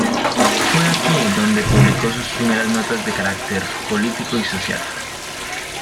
Fue aquí donde publicó sus primeras notas de carácter político y social.